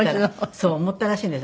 そう思ったらしいんですよ。